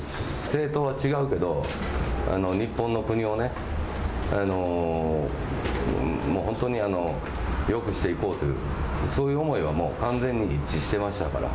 政党は違うけど日本の国を本当によくしていこうという、そういう思いは完全に一致していましたから。